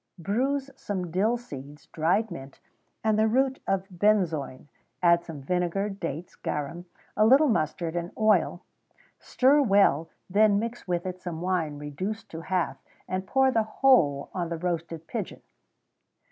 _ Bruise some dill seeds, dried mint, and the root of benzoin; add some vinegar, dates, garum, a little mustard, and oil; stir well; then mix with it some wine reduced to half, and pour the whole on the roasted pigeon.